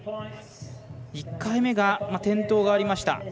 １回目が、転倒がありました。